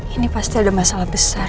ini pasti ada masalah besar